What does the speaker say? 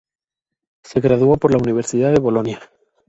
Se graduó por la Universidad de Bolonia.